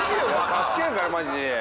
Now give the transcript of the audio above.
かっけえからマジ。